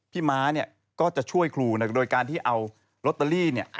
พี่มาเนี่ยก็จะช่วยครูโดยการที่เอารัตเตอรี่